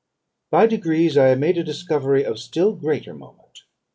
"By degrees I made a discovery of still greater moment.